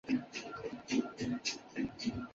建炎四年出生。